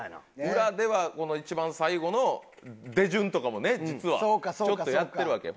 裏ではこの一番最後の出順とかもね実はちょっとやってるわけよ。